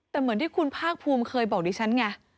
แต่เหมือนที่คุณภาคภูมิเคยบอกดิฉันไง